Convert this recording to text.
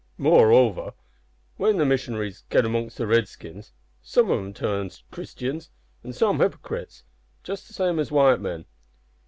Moreover, when the missionaries git among the Redskins, some of 'em turns Christians an' some hypocrites just the same as white men.